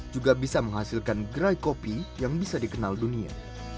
juga bisa menghasilkan gerai kopi yang bisa dikenal dunia